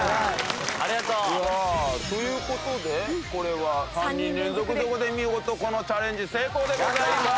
ありがとう！さあという事でこれは３人連続という事で見事このチャレンジ成功でございます！